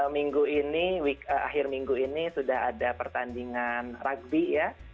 minggu ini akhir minggu ini sudah ada pertandingan rugby ya